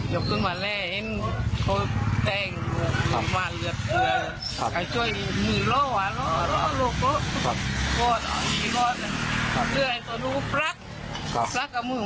ยกต้นมาแร่เห็นเขาแต้งหลบมาเหลือเผือน